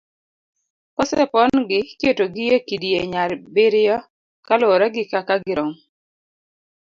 Kose pon gi, iketo gi e kidieny abiriyo kaluwore gi kaka girom.